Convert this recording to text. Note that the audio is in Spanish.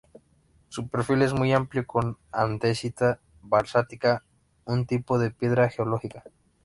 Su perfil es muy amplio con andesita basáltica un tipo de piedra geológica.